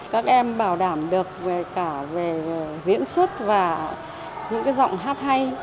các em bảo đảm được về cả về diễn xuất và những giọng hát hay